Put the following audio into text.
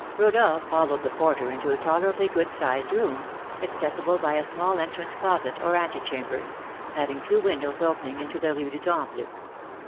Rodolph followed the porter into a tolerably good sized room, accessible by a small entrance closet, or antechamber, having two windows opening into the Rue du Temple.